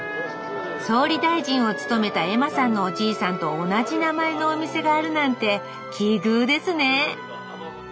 総理大臣を務めたエマさんのおじいさんと同じ名前のお店があるなんて奇遇ですね。